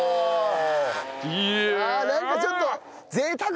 ああなんかちょっと。